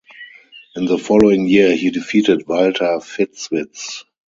In the following year he defeated Walter Fitzwiz.